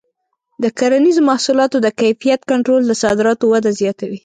د کرنیزو محصولاتو د کیفیت کنټرول د صادراتو وده زیاتوي.